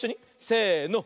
せの！